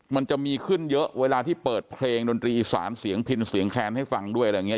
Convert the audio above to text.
มันจะมีขึ้นเยอะเวลาที่เปิดเพลงดนตรีอีสานเสียงพินเสียงแคนให้ฟังด้วยอะไรอย่างนี้